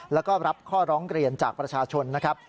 แล้วก็รับข้อร้องเรียนจากประชาชนนะครับ